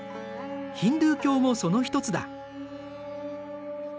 ヒンドゥー教もその一つだ。